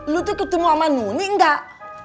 lu tuh ketemu sama muni enggak